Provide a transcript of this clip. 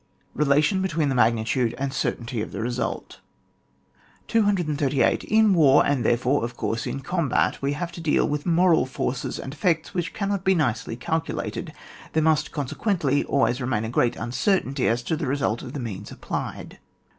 Belation between the magnitude and certainty of the result. 288. In war, and therefore, of course, in combat, we have to deal with moral forces and effects which cannot be nicely calculated ; there must, consequently, al ways remain a great uncertainty as to the result of the means applied.